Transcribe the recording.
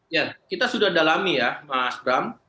ya kita sudah dalami ya mas bram